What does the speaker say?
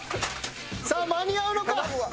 さあ間に合うのか？